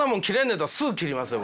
やったらすぐ切りますよ